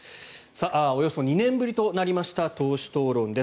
およそ２年ぶりとなりました党首討論です。